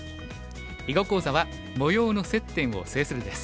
囲碁講座は「模様の接点を制する」です。